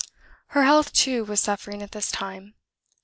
Her health, too, was suffering at this time.